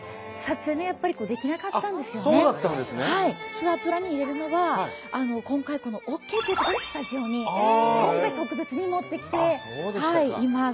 ツアープランに入れるのは今回ＯＫということでスタジオに今回特別に持ってきています。